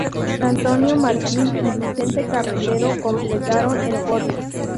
Antonio Martín y Vicente Carretero completaron el podio.